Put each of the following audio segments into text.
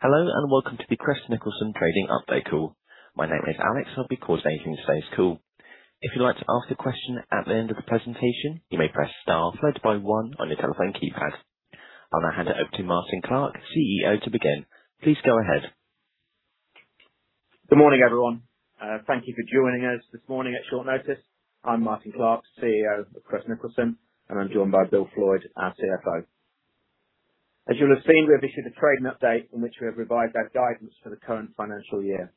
Hello, and welcome to the Crest Nicholson Trading Update Call. My name is Alex, I'll be coordinating today's call. If you'd like to ask a question at the end of the presentation, you may press star followed by one on your telephone keypad. I'll now hand it over to Martyn Clark, CEO, to begin. Please go ahead. Good morning, everyone. Thank you for joining us this morning at short notice. I'm Martyn Clark, CEO of Crest Nicholson, and I'm joined by Bill Floydd, our CFO. As you'll have seen, we have issued a trading update in which we have revised our guidance for the current financial year.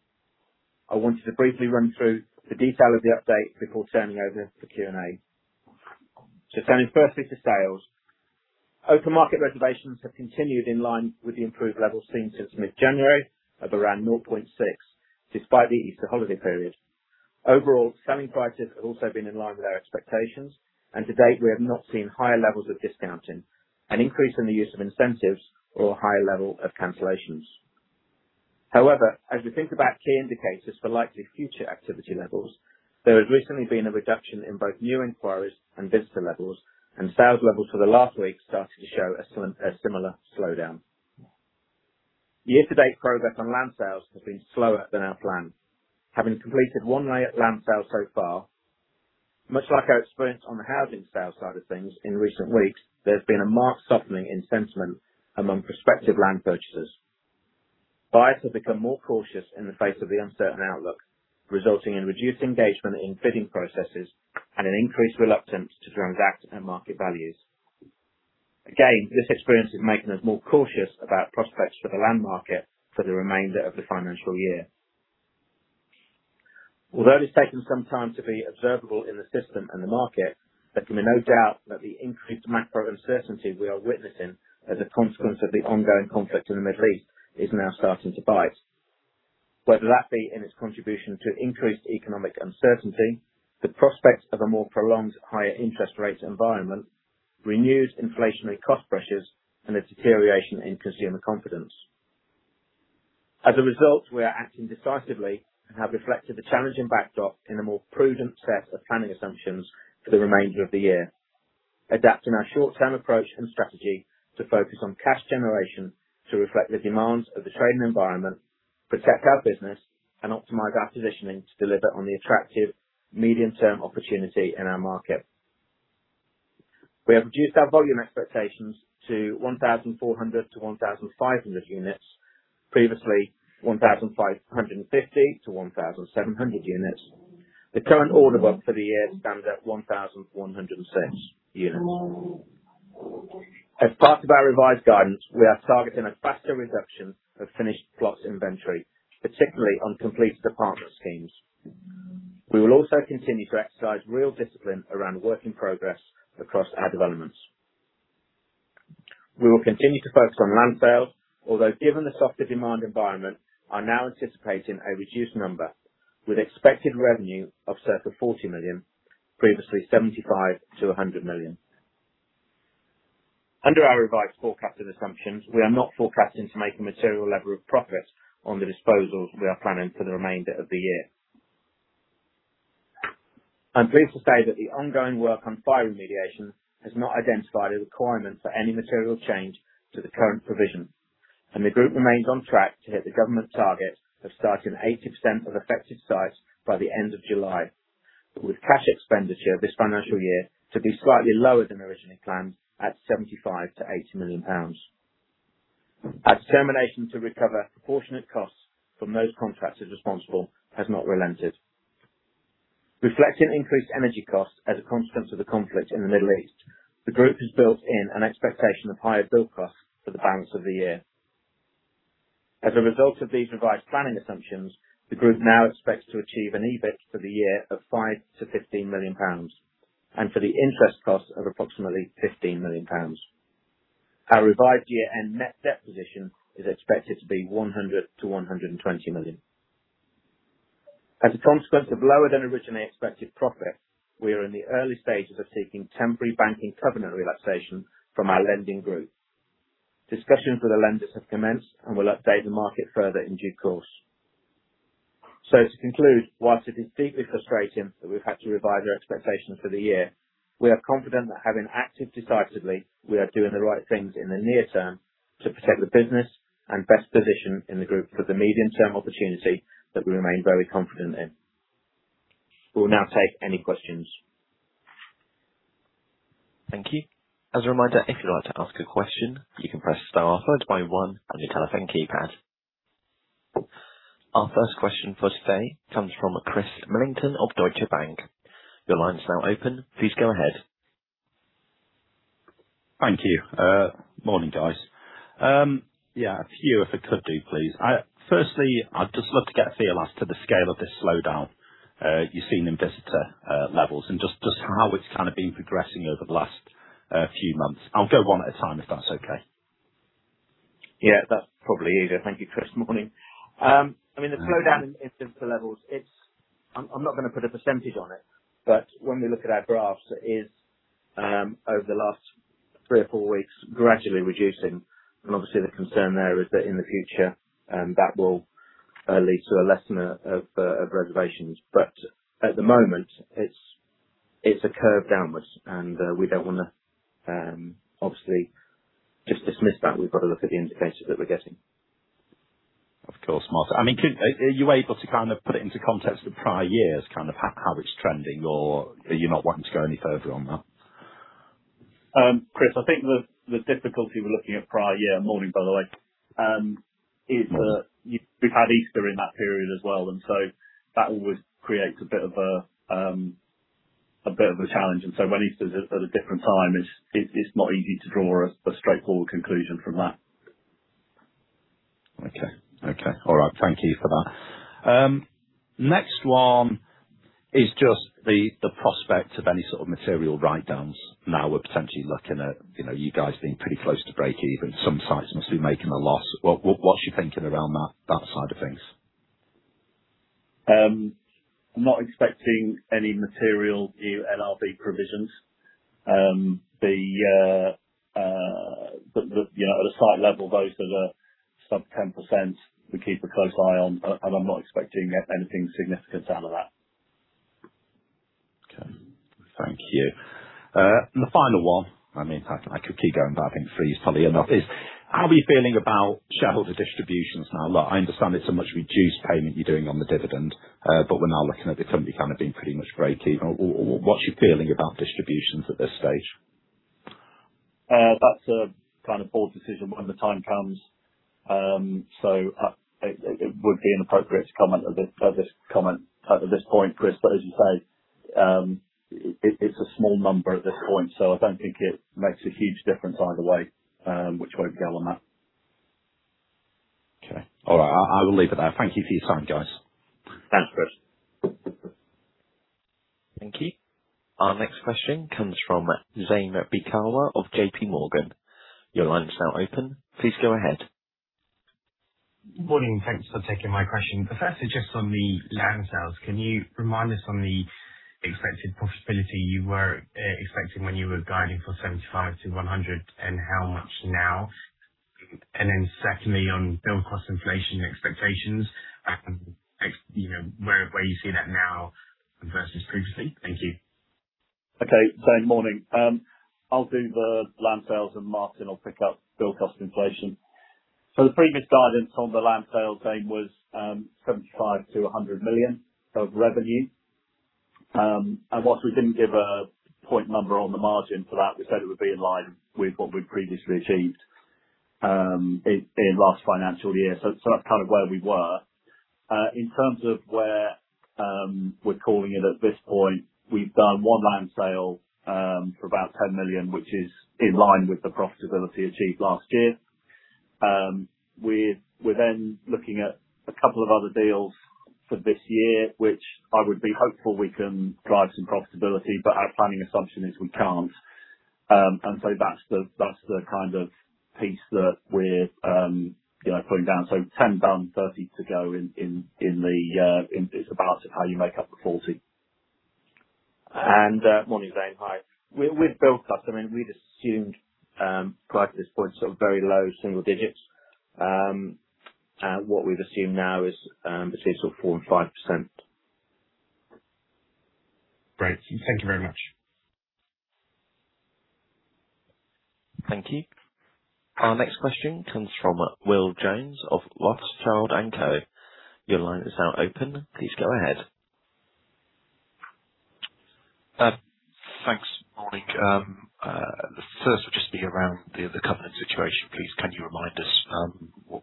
I wanted to briefly run through the detail of the update before turning over for Q&A. Just turning firstly to sales. Open market reservations have continued in line with the improved levels seen since mid-January of around 0.6, despite the Easter holiday period. Overall, selling prices have also been in line with our expectations and to date, we have not seen higher levels of discounting, an increase in the use of incentives or a higher level of cancellations. However, as we think about key indicators for likely future activity levels, there has recently been a reduction in both new inquiries and visitor levels, and sales levels for the last week started to show a similar slowdown. Year-to-date progress on land sales has been slower than our plan. Having completed one land sale so far, much like our experience on the housing sale side of things in recent weeks, there's been a marked softening in sentiment among prospective land purchasers. Buyers have become more cautious in the face of the uncertain outlook, resulting in reduced engagement in bidding processes and an increased reluctance to transact at market values. Again, this experience is making us more cautious about prospects for the land market for the remainder of the financial year. Although it's taken some time to be observable in the system and the market, there can be no doubt that the increased macro uncertainty we are witnessing as a consequence of the ongoing conflict in the Middle East is now starting to bite. Whether that be in its contribution to increased economic uncertainty, the prospects of a more prolonged higher interest rate environment, renewed inflationary cost pressures, and a deterioration in consumer confidence. As a result, we are acting decisively and have reflected the challenging backdrop in a more prudent set of planning assumptions for the remainder of the year. Adapting our short-term approach and strategy to focus on cash generation to reflect the demands of the trading environment, protect our business, and optimize our positioning to deliver on the attractive medium-term opportunity in our market. We have reduced our volume expectations to 1,400-1,500 units, previously 1,550-1,700 units. The current order book for the year stands at 1,106 units. As part of our revised guidance, we are targeting a faster reduction of finished plots inventory, particularly on completed apartment schemes. We will also continue to exercise real discipline around work in progress across our developments. We will continue to focus on land sale, although given the softer demand environment, are now anticipating a reduced number with expected revenue of circa 40 million, previously 75 million-100 million. Under our revised forecasting assumptions, we are not forecasting to make a material level of profit on the disposals we are planning for the remainder of the year. I'm pleased to say that the ongoing work on fire remediation has not identified a requirement for any material change to the current provision, and the group remains on track to hit the government target of starting 80% of affected sites by the end of July, with cash expenditure this financial year to be slightly lower than originally planned at 75 million-80 million pounds. Our determination to recover proportionate costs from those contractors responsible has not relented. Reflecting increased energy costs as a consequence of the conflict in the Middle East, the group has built in an expectation of higher build costs for the balance of the year. As a result of these revised planning assumptions, the group now expects to achieve an EBIT for the year of 5 million-15 million pounds, and for the interest cost of approximately 15 million pounds. Our revised year-end net debt position is expected to be 100 million-120 million. As a consequence of lower than originally expected profits, we are in the early stages of seeking temporary banking covenant relaxation from our lending group. Discussions with the lenders have commenced, and will update the market further in due course. To conclude, while it is deeply frustrating that we've had to revise our expectations for the year, we are confident that having acted decisively, we are doing the right things in the near term to protect the business and best position in the group for the medium-term opportunity that we remain very confident in. We will now take any questions. Thank you. As a reminder, if you'd like to ask a question, you can press star followed by one on your telephone keypad. Our first question for today comes from Chris Millington of Deutsche Bank. Your line is now open. Please go ahead. Thank you. Morning, guys. A few if I could do, please. Firstly, I'd just love to get a feel as to the scale of this slowdown you're seeing in visitor levels and just how it's been progressing over the last few months. I'll go one at a time if that's okay. That's probably easier. Thank you, Chris. Morning. The slowdown in visitor levels, it's, I'm not gonna put a percentage on it, but when we look at our graphs, it's, over the last three or four weeks, gradually reducing. Obviously, the concern there is that in the future, that will lead to a lessening of reservations. But at the moment, it's a curve downwards, and we don't want to obviously just dismiss that. We've got to look at the indicators that we're getting. Of course, Martyn. Are you able to put it into context with prior years, how it's trending, or are you not wanting to go any further on that? Chris, the difficulty with looking at prior year, morning by the way, is that we've had Easter in that period as well. That always creates a bit of a challenge. When Easter is at a different time, it's not easy to draw a straightforward conclusion from that. Okay. All right. Thank you for that. Next one is just the prospect of any material write-downs. Now we're potentially looking at you guys being pretty close to breakeven. Some sites must be making a loss. What's your thinking around that side of things? I'm not expecting any material new NRV provisions. At a site level, those that are sub 10%, we keep a close eye on, but I'm not expecting anything significant out of that. Okay. Thank you. The final one, I could keep going, but for you it's probably enough, is how are we feeling about shareholder distributions now? Look, I understand it's a much reduced payment you're doing on the dividend, but we're now looking at the company being pretty much breakeven. What's your feeling about distributions at this stage? That's a Board decision when the time comes. It would be inappropriate to comment at this point, Chris, but as you say, it's a small number at this point, so I don't think it makes a huge difference either way, which way we go on that. Okay. All right. I will leave it there. Thank you for your time, guys. Thanks, Chris. Thank you. Our next question comes from Zaim Beekawa of JPMorgan. Your line is now open. Please go ahead. Morning, thanks for taking my question. First, just on the land sales, can you remind us on the expected profitability you were expecting when you were guiding for 75 million-100 million, and how much now? Secondly, on build cost inflation expectations, where you see that now versus previously? Thank you. Okay. Zaim, morning. I'll do the land sales and Martyn will pick up build cost inflation. The previous guidance on the land sales, Zaim, was 75 million-100 million of revenue. While we didn't give a point number on the margin for that, we said it would be in line with what we'd previously achieved in last financial year. That's where we were. In terms of where we're calling it at this point, we've done one land sale for about 10 million, which is in line with the profitability achieved last year. We're then looking at a couple of other deals for this year, which I would be hopeful we can drive some profitability, but our planning assumption is we can't. That's the piece that we're putting down. 10 million done, 30 million to go in, it's about how you make up the 40 million. Morning, Zaim. Hi. With build cost, we'd assumed prior to this point, very low single digits. What we've assumed now is between 4% and 5%. Great. Thank you very much. Thank you. Our next question comes from Will Jones of Rothschild & Co. Your line is now open. Please go ahead. Thanks. Morning. The first will just be around the covenant situation. Please, can you remind us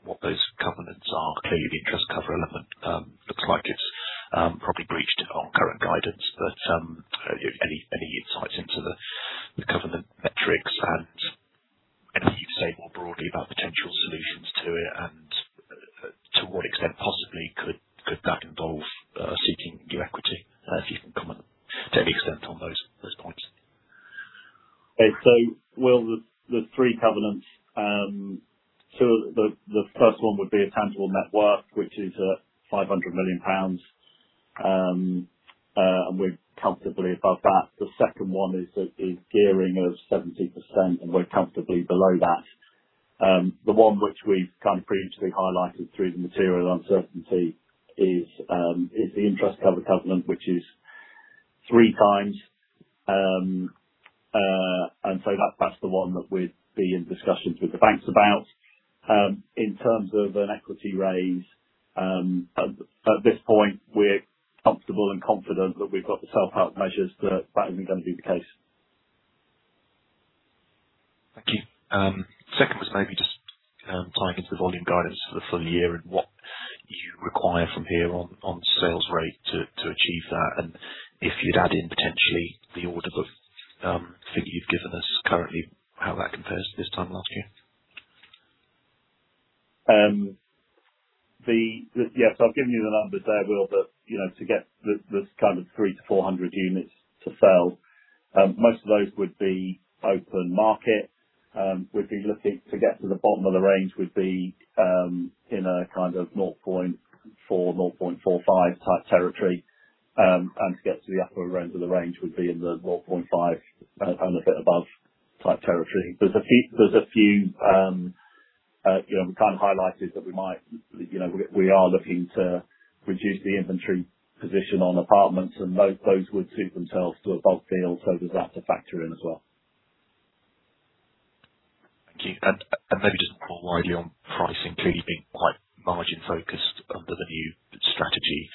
what those covenants are? Clearly, the interest cover element looks like it's probably breached on current guidance. Any insights into the covenant metrics and can you say more broadly about potential solutions to it and to what extent possibly could that involve seeking new equity? If you can comment to any extent on those points? Okay. Will, the three covenants. The first one would be a tangible net worth, which is at 500 million pounds, and we're comfortably above that. The second one is the gearing of 70%, and we're comfortably below that. The one which we've previously highlighted through the material uncertainty is the interest cover covenant, which is 3x. That's the one that we'd be in discussions with the banks about. In terms of an equity raise, at this point, we're comfortable and confident that we've got the self-help measures that isn't going to be the case. Thank you. Second was maybe just tying into the volume guidance for the full year and what you require from here on sales rate to achieve that, and if you'd add in potentially the order book figure you've given us currently, how that compares to this time last year? I've given you the numbers there, Will, but to get this 300-400 units to sell, most of those would be open market. We'd be looking to get to the bottom of the range would be in north of 0.4, north of 0.45 type territory. To get to the upper range of the range would be in the north of 0.5 and a bit above type territory. There's a few. We highlighted that we are looking to reduce the inventory position on apartments, and those would suit themselves to a bulk deal, so there's that to factor in as well. Thank you. Maybe just more widely on pricing, clearly being quite margin focused under the new strategy,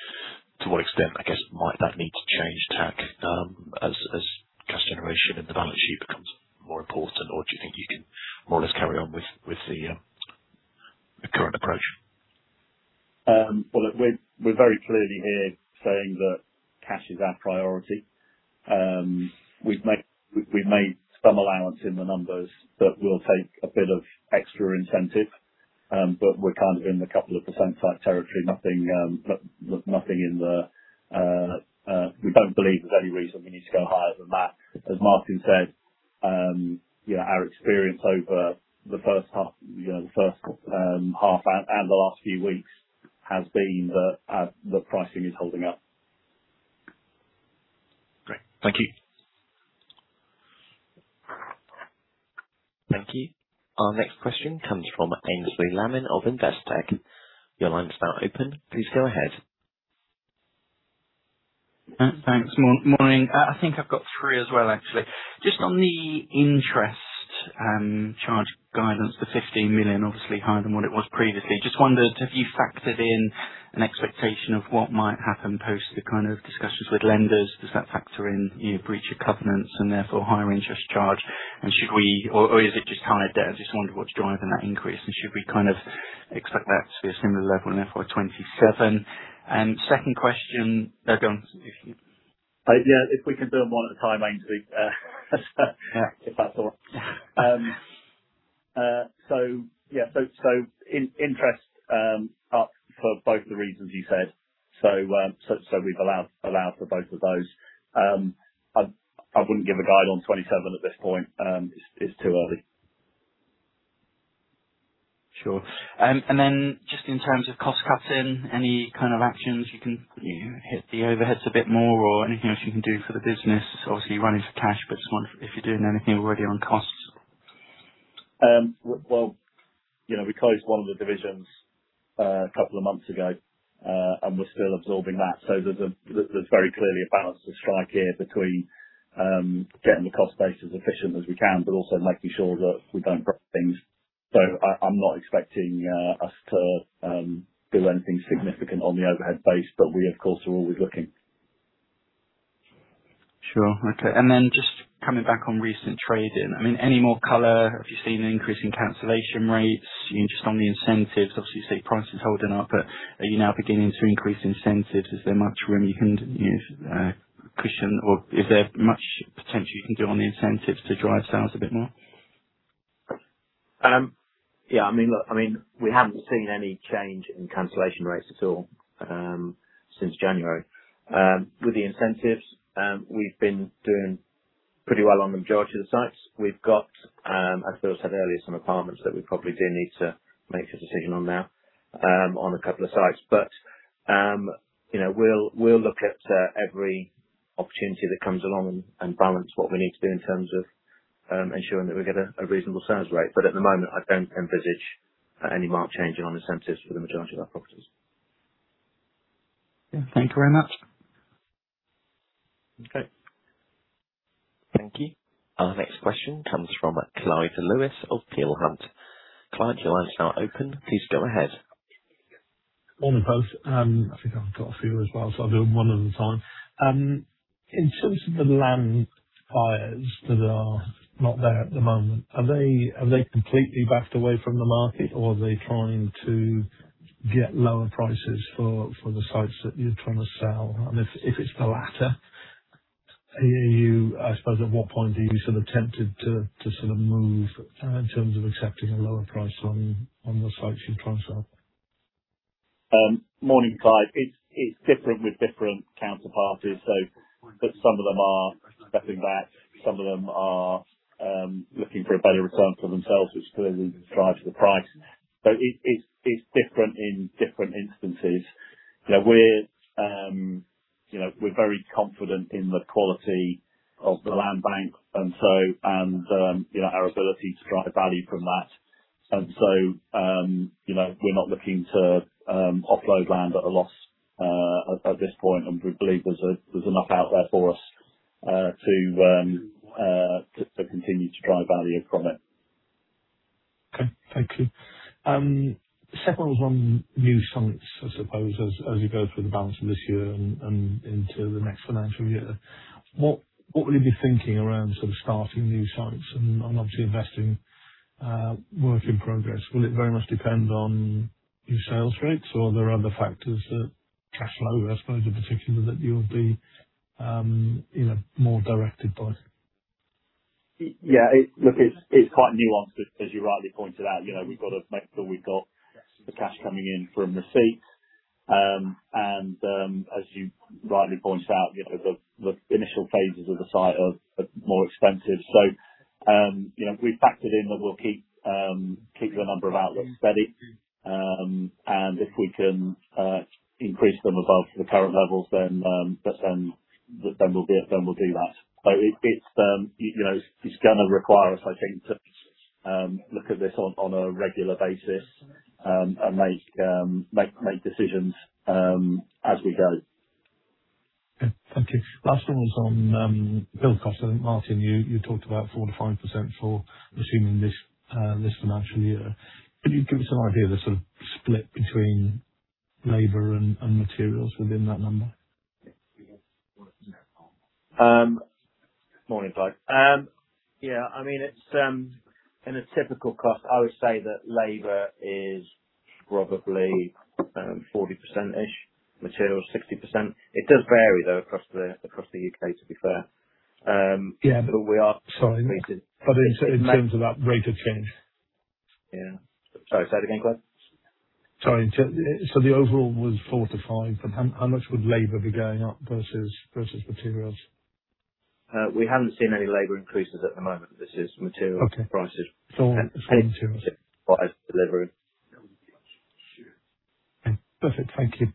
to what extent, I guess, might that need to change tack as cash generation and the balance sheet becomes more important? Or do you think you can more or less carry on with the current approach? Well look, we're very clearly here saying that cash is our priority. We've made some allowance in the numbers that will take a bit of extra incentive. We're in the couple of percent type territory. We don't believe there's any reason we need to go higher than that. As Martin said, our experience over the first half and the last few weeks has been that pricing is holding up. Great. Thank you. Thank you. Our next question comes from Aynsley Lammin of Investec. Your line's now open. Please go ahead. Thanks. Morning. I've got three as well, actually. Just on the interest charge guidance for 15 million, obviously higher than what it was previously. Just wondered, have you factored in an expectation of what might happen post the discussions with lenders? Does that factor in breach of covenants and therefore higher interest charge? Or is it just carried there? I just wondered what's driving that increase, and should we expect that to be a similar level in FY27? Second question. Go on. If we can do them one at a time, Aynsley, if that's all. Interest up for both of the reasons you said. We've allowed for both of those. I wouldn't give a guide on '27 at this point. It's too early. Sure. Just in terms of cost-cutting, any actions you can hit the overheads a bit more or anything else you can do for the business? Obviously, you're running for cash, but if you're doing anything already on costs. Well, we closed one of the divisions a couple of months ago. We're still absorbing that. There's very clearly a balance to strike here between getting the cost base as efficient as we can, but also making sure that we don't break things. I'm not expecting us to do anything significant on the overhead base. We, of course, are always looking. Sure. Okay. Just coming back on recent trading, any more color? Have you seen an increase in cancellation rates? Just on the incentives, obviously, you say price is holding up, but are you now beginning to increase incentives? Is there much room you can cushion, or is there much potential you can do on the incentives to drive sales a bit more? We haven't seen any change in cancellation rates at all since January. With the incentives, we've been doing pretty well on the majority of the sites. We've got, as Bill said earlier, some apartments that we probably do need to make a decision on now on a couple of sites. We'll look at every opportunity that comes along and balance what we need to do in terms of ensuring that we get a reasonable sales rate. At the moment, I don't envisage any marked change in our incentives for the majority of our properties. Yeah. Thank you very much. Okay. Thank you. Our next question comes from Clyde Lewis of Peel Hunt. Clyde, your line is now open. Please go ahead. Morning, both. I've got a few as well, I'll do them one at a time. In terms of the land buyers that are not there at the moment, have they completely backed away from the market or are they trying to get lower prices for the sites that you're trying to sell? If it's the latter, I suppose at what point are you sort of tempted to sort of move in terms of accepting a lower price on the sites you're trying to sell? Morning, Clyde. It's different with different counterparties. Some of them are stepping back. Some of them are looking for a better return for themselves, which clearly drives the price. It's different in different instances. We're very confident in the quality of the land bank and our ability to drive value from that. We're not looking to offload land at a loss at this point, and we believe there's enough out there for us to continue to drive value from it. Okay. Thank you. The second one was on new sites, I suppose, as you go through the balance of this year and into the next financial year. What will you be thinking around sort of starting new sites and obviously investing work in progress? Will it very much depend on your sales rates or are there other factors, cash flow, I suppose, in particular, that you'll be more directed by? Look, it's quite nuanced, as you rightly pointed out. We've got to make sure we've got the cash coming in from receipts. As you rightly point out, the initial phases of the site are more expensive. We've factored in that we'll keep the number of outlets steady. If we can increase them above the current levels, then we'll do that. It's going to require us to look at this on a regular basis, and make decisions as we go. Okay. Last one was on build cost. Martyn, you talked about 4%-5% for assuming this financial year. Could you give us some idea of the split between labor and materials within that number? Morning, Clyde. In a typical cost, I would say that labor is probably 40%-ish, materials 60%. It does vary though across the U.K., to be fair. Sorry. In terms of that rate of change. Sorry, say that again, Clyde? Sorry. The overall was 4%-5%. How much would labor be going up versus materials? We haven't seen any labor increases at the moment. This is material prices as delivered. Okay, perfect. Thank you.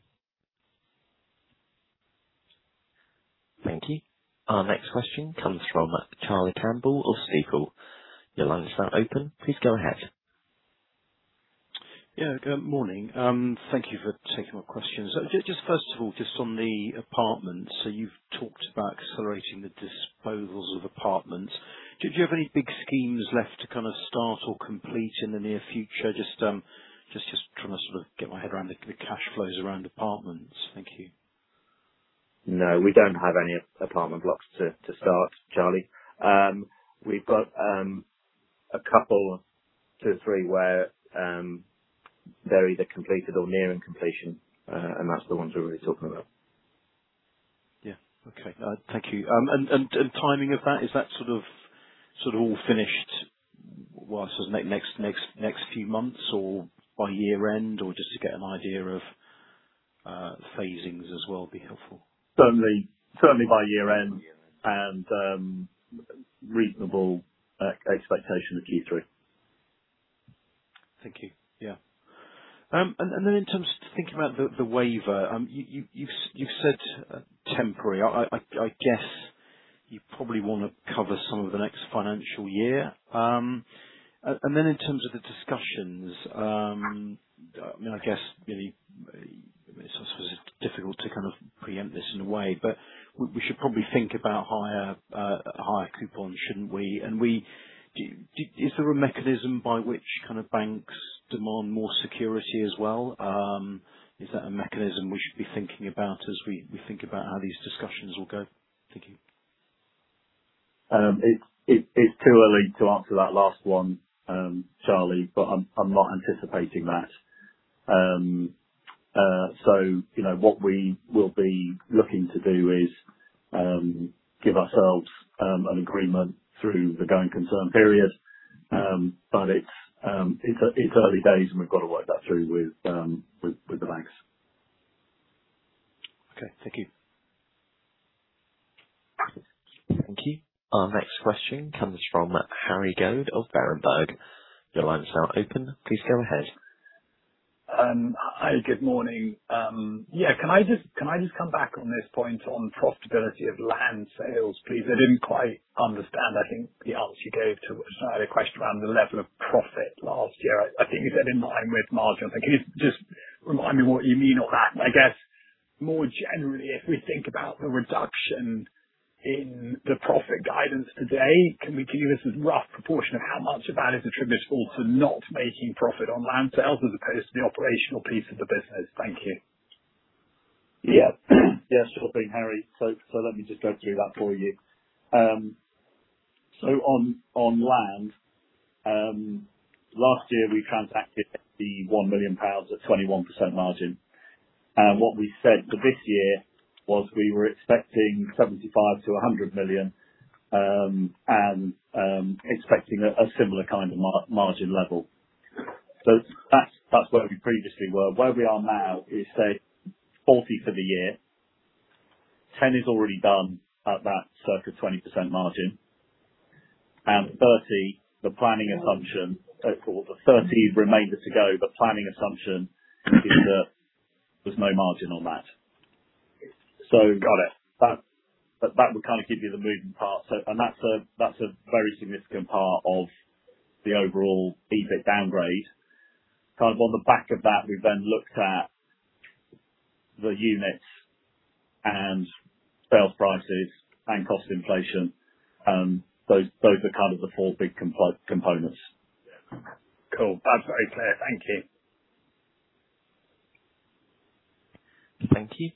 Thank you. Our next question comes from Charlie Campbell of Stifel. Your line is now open. Please go ahead. Good morning. Thank you for taking my questions. Just first of all, just on the apartments, so you've talked about accelerating the disposals of apartments. Do you have any big schemes left to start or complete in the near future? Just trying to get my head around the cash flows around apartments. Thank you. No, we don't have any apartment blocks to start, Charlie. We've got a couple, two, three where they're either completed or nearing completion. That's the ones we're really talking about. Okay. Thank you. Timing of that, is that all finished, well, I suppose next few months or by year-end? Or just to get an idea of phasings as well would be helpful. Certainly by year-end, and reasonable expectation of Q3. Thank you. In terms, thinking about the waiver, you've said temporary. You probably want to cover some of the next financial year. In terms of the discussions, I suppose it's difficult to preempt this in a way, but we should probably think about a higher coupon, shouldn't we? Is there a mechanism by which banks demand more security as well? Is that a mechanism we should be thinking about as we think about how these discussions will go? Thank you. It's too early to answer that last one, Charlie, but I'm not anticipating that. What we will be looking to do is give ourselves an agreement through the going concern period. It's early days, and we've got to work that through with the banks. Okay. Thank you. Thank you. Our next question comes from Harry Goad of Berenberg. Your line is now open. Please go ahead. Hi. Good morning. Can I just come back on this point on profitability of land sales, please? I didn't quite understand the answer you gave to a question around the level of profit last year. I think you said in line with margin. Can you just remind me what you mean on that? I guess more generally, if we think about the reduction in the profit guidance today, can you give us a rough proportion of how much of that is attributable to not making profit on land sales as opposed to the operational piece of the business? Thank you. Sure thing, Harry. Let me just go through that for you. On land, last year, we transacted 1 million pounds at 21% margin. What we said for this year was we were expecting 75 million-100 million, and expecting a similar margin level. That's where we previously were. Where we are now is say 40 million for the year. 10 million is already done at that circa 20% margin. 30 million, the planning assumption, or the 30 million remainder to go, the planning assumption is that there's no margin on that. Got it. That would give you the moving parts. That's a very significant part of the overall EBIT downgrade. On the back of that, we've then looked at the units and sales prices and cost inflation. Those are the four big components. Cool. That's very clear. Thank you. Thank you.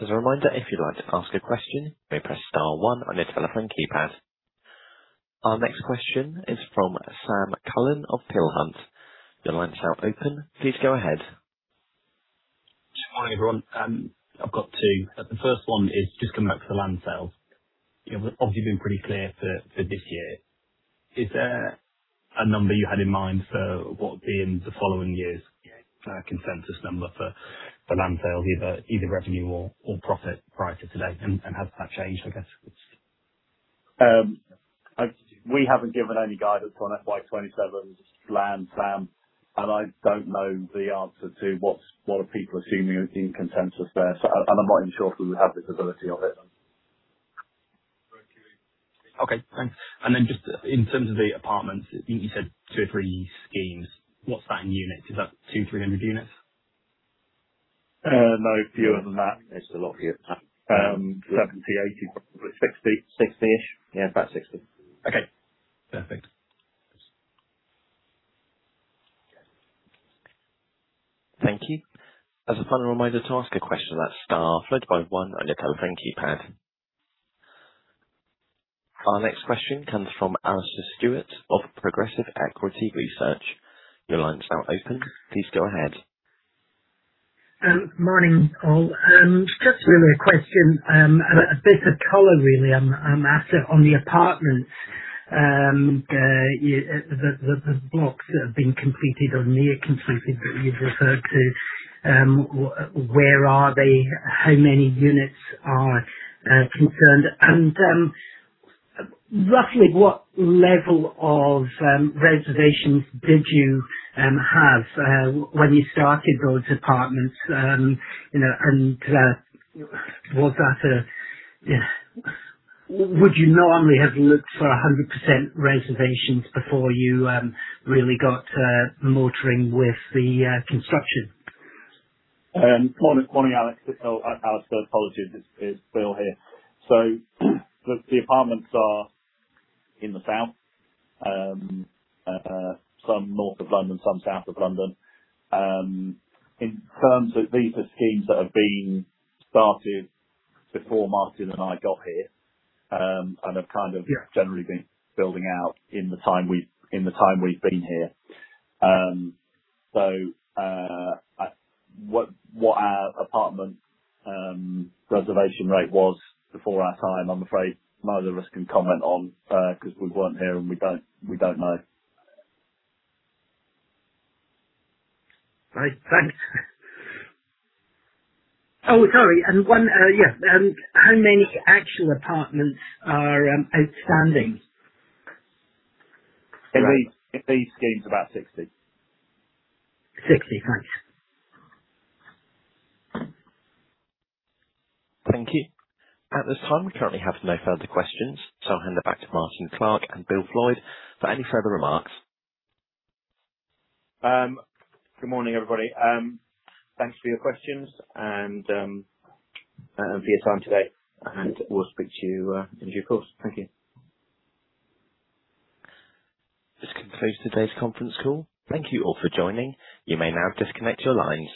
As a reminder, if you'd like to ask a question, you may press star one on your telephone keypad. Our next question is from Sam Cullen of Peel Hunt. Your line is now open. Please go ahead. Hi, everyone. I've got two. The first one is just coming back to the land sales. You've obviously been pretty clear for this year. Is there a number you had in mind for what the following year's consensus number for land sales, either revenue or profit prior to today, and has that changed, I guess? We haven't given any guidance on FY 27 land, Sam, and I don't know the answer to what are people assuming in consensus there. I'm not even sure if we would have visibility of it. Okay, thanks. Just in terms of the apartments, you said two or three schemes. What's that in units? Is that 200-300 units? No, fewer than that. There's a lot here. 70, 80, probably 60. 60-ish. About 60. Okay, perfect. Thank you. As a final reminder to ask a question, that's star followed by one on your telephone keypad. Our next question comes from Alastair Stewart of Progressive Equity Research. Your line's now open. Please go ahead. Morning, all. Just really a question, a bit of color really. On the apartments, the blocks that have been completed or near completed that you've referred to, where are they? How many units are concerned? And roughly what level of reservations did you have when you started those apartments? And would you normally have looked for 100% reservations before you really got motoring with the construction? Morning, Alex. Alastair, apologies. It's Bill here. The apartments are in the south. Some North of London, some south of London. In terms of these are schemes that have been started before Martyn and I got here, and have generally been building out in the time we've been here. What our apartment reservation rate was before our time, I'm afraid neither of us can comment on, because we weren't here and we don't know. Right. Thanks. How many actual apartments are outstanding? In these schemes, about 60. 60. Thanks. Thank you. At this time, we currently have no further questions, so I'll hand it back to Martyn Clark and Bill Floydd for any further remarks. Good morning, everybody. Thanks for your questions and for your time today, and we'll speak to you in due course. Thank you. This concludes today's conference call. Thank you all for joining. You may now disconnect your lines.